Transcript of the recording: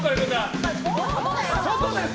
外です！